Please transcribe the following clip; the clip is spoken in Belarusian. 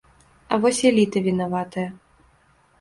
А вось эліта вінаватая.